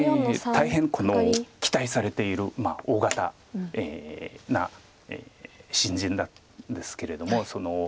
大変期待されている大型な新人なんですけれども。